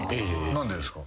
何でですか？